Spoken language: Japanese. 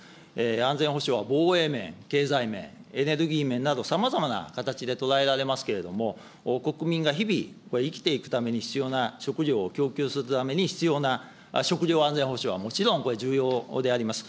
安全保障は防衛面、経済面、エネルギー面など、さまざまな形で捉えられますけれども、国民が日々、生きていくために必要な食料供給するために必要な食料安全保障はもちろん、これ、重要であります。